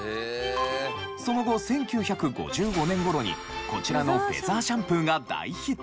その後１９５５年頃にこちらのフェザーシャンプーが大ヒット。